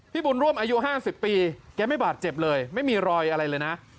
บุญร่วมอายุ๕๐ปีแกไม่บาดเจ็บเลยไม่มีรอยอะไรเลยนะ